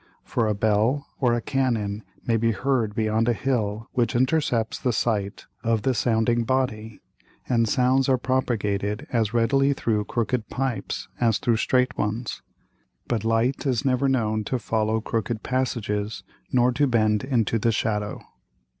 For a Bell or a Cannon may be heard beyond a Hill which intercepts the sight of the sounding Body, and Sounds are propagated as readily through crooked Pipes as through streight ones. But Light is never known to follow crooked Passages nor to bend into the Shadow.